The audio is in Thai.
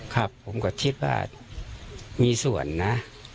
ครับผมก็คิดว่ามีส่วนนะ